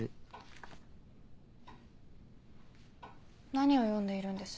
何を読んでいるんです？